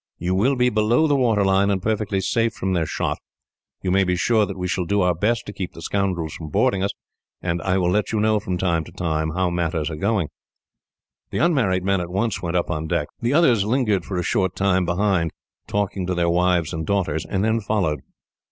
You will be below the waterline, and perfectly safe from their shot; and you may be sure that we shall do our best to keep the scoundrels from boarding us; and I will let you know, from time to time, how matters are going." The unmarried men at once went up on deck. The others lingered for a short time behind, talking to their wives and daughters, and then followed.